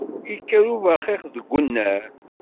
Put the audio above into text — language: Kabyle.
Yekker ubaxix deg unnar!